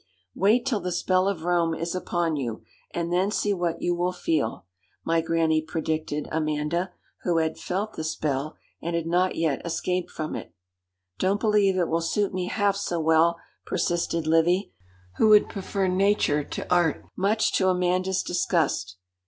'Wait till the spell of Rome is upon you, and then see what you will feel, my Granny' predicted Amanda, who had felt the spell, and had not yet escaped from it. 'Don't believe it will suit me half so well,' persisted Livy, who would prefer nature to art, much to Amanda's disgust.